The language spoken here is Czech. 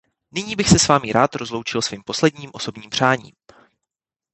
Nyní bych se s vámi rozloučil svým posledním osobním přáním.